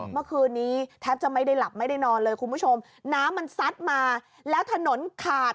เมื่อคืนนี้แทบจะไม่ได้หลับไม่ได้นอนเลยคุณผู้ชมน้ำมันซัดมาแล้วถนนขาด